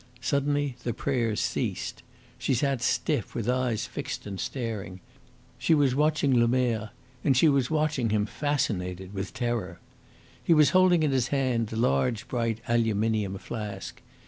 Suddenly the prayers ceased. She sat stiff, with eyes fixed and staring. She was watching Lemerre, and she was watching him fascinated with terror. He was holding in his hand the large, bright aluminium flask.